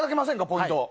ポイントを。